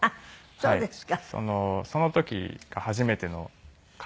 そうですか。